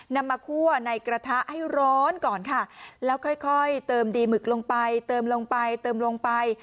นำมาคั่วในกระทะให้ร้อนก่อนค่ะแล้วค่อยค่อยเติมดีหมึกลงไปเติมลงไปเติมลงไป